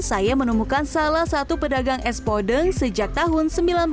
saya menemukan salah satu pedagang es podeng sejak tahun seribu sembilan ratus sembilan puluh